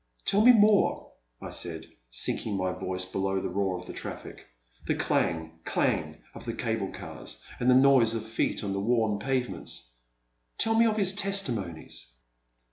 *'Tell me more,*' I said, sinking my voice below the roar of traflSc, the clang! dang! of the cable cars, and the noise of feet on the worn pave ments —tell me of His testimonies."